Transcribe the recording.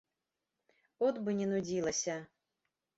От бы не нудзілася!